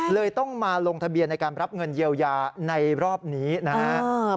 เลยต้องมาลงทะเบียนในการรับเงินเยียวยาในรอบนี้นะครับ